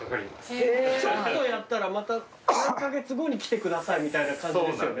ちょっとやったらまた何カ月後に来てくださいみたいな感じですよね。